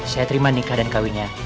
saya terima nikah dan kawinnya